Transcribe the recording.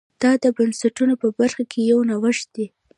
دا د بنسټونو په برخه کې یو نوښت دی.